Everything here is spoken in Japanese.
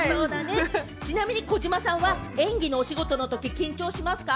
ちなみに児嶋さんは演技のお仕事の時、緊張しますか？